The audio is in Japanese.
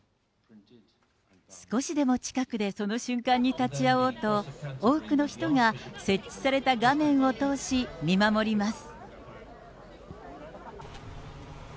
少しでも近くでその瞬間に立ち会おうと、多くの人が設置された画面を通し見守ります。